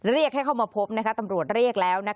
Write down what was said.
เรียกให้เข้ามาพบตำรวจเรียกแล้ว